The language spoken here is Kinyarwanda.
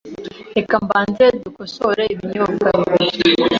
Reka mbanze dukosore ibinyobwa bibiri .